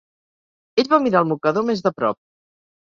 Ell va mirar el mocador més de prop.